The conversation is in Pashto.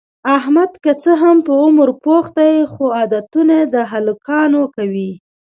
احمد که څه هم په عمر پوخ دی، خو عادتونه د هلکانو کوي.